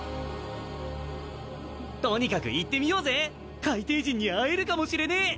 とにかく行ってみようぜ海底人に会えるかもしれねえ！